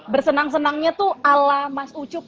bersenang senangnya tuh ala mas ucup